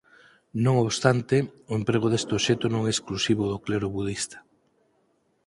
Non obstante, o emprego deste obxecto non é exclusivo do clero budista.